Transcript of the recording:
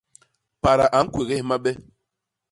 Pada a ñkwégés mabe.